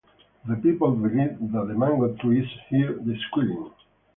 The people believe that the mango trees hear the squealing.